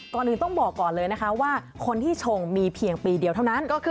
ก่อนอื่นต้องบอกก่อนเลยนะคะว่าคนที่ชงมีเพียงปีเดียวเท่านั้น